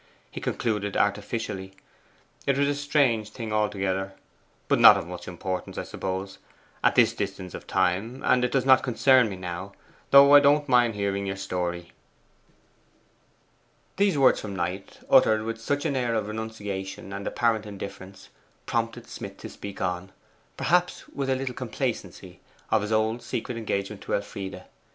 He concluded artificially, 'It was a strange thing altogether; but not of much importance, I suppose, at this distance of time; and it does not concern me now, though I don't mind hearing your story.' These words from Knight, uttered with such an air of renunciation and apparent indifference, prompted Smith to speak on perhaps with a little complacency of his old secret engagement to Elfride.